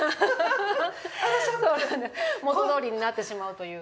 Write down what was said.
元どおりになってしまうという。